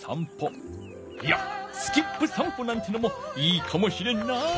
いやスキップ散歩なんてのもいいかもしれんな。